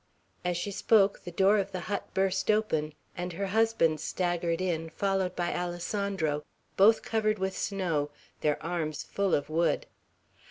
As she spoke, the door of the hut burst open, and her husband staggered in, followed by Alessandro, both covered with snow, their arms full of wood.